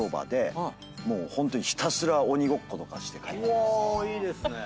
うわいいですね。